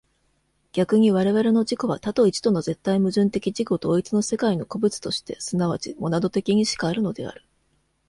逆に我々の自己は多と一との絶対矛盾的自己同一の世界の個物として即ちモナド的にしかあるのである。